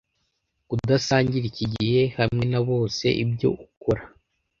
Kudasangira iki gihe, hamwe na bose, ibyo ukora.